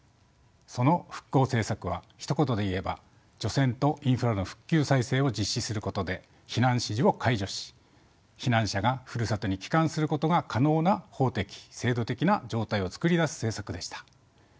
その復興政策はひと言で言えば除染とインフラの復旧・再生を実施することで避難指示を解除し避難者がふるさとに帰還することが可能な法的・制度的な状態を作り出す政策でした。